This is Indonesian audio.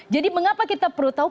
jadi mengapa kita perlu tahu